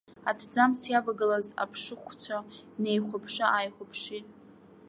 Аҭӡамц иавагылаз аԥшыхәцәа неихәаԥшы-ааихәаԥшит.